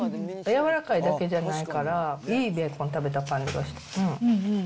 柔かいだけじゃないから、いいベーコン食べた感じがして。